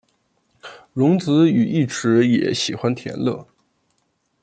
荣子与义持也喜欢田乐。